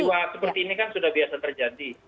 peristiwa seperti ini kan sudah biasa terjadi